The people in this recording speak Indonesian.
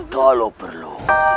kau alau perlu